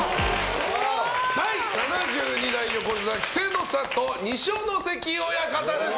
第７２代横綱・稀勢の里二所ノ関親方です！